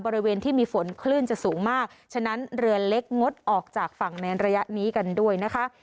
บริเวณที่มีฝนคลื่นจะสูงมากฉะนั้นเรือเล็กงดออกจากฝั่งในระยะนี้กันด้วยนะคะ